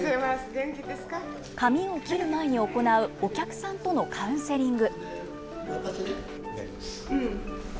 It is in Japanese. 髪を切る前に行うお客さんとのカウンセリング。